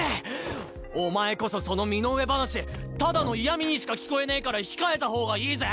お前こそその身の上話ただの嫌みにしか聞こえねぇから控えた方がいいぜ！